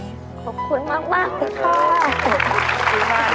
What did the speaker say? ขอบคุณมากครับ